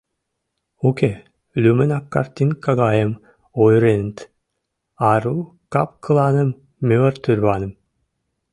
Уке, лӱмынак картинка гайым ойыреныт: ару кап-кыланым, мӧр тӱрваным...